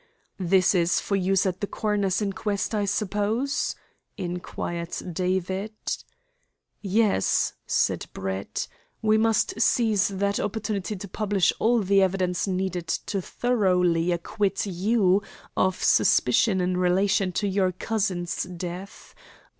"This is for use at the coroner's inquest, I suppose?" inquired David. "Yes," said Brett. "We must seize that opportunity to publish all the evidence needed to thoroughly acquit you of suspicion in relation to your cousin's death.